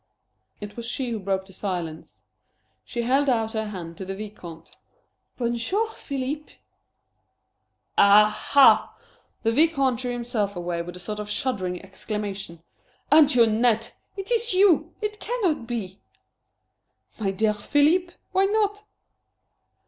It was she who broke the silence. She held out her hand to the Vicomte. "Bon jour, Philippe!" "Ah h h!" The Vicomte drew himself away with a sort of shuddering exclamation. "Antoinette! It is you! It cannot be!" "My dear Philippe why not?"